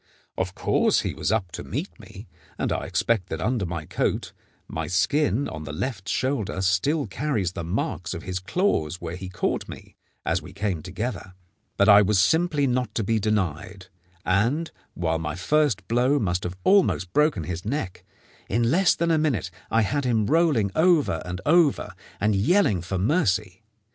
Of course he was up to meet me, and I expect that under my coat my skin on the left shoulder still carries the marks of his claws where he caught me as we came together. But I was simply not to be denied, and, while my first blow must have almost broken his neck, in less than a minute I had him rolling over and over and yelling for mercy.